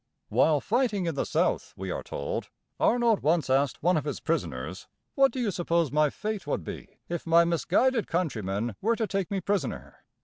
While fighting in the South, we are told, Arnold once asked one of his prisoners, "What do you suppose my fate would be if my misguided countrymen were to take me prisoner?"